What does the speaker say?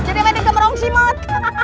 jadi gue dikemerung simut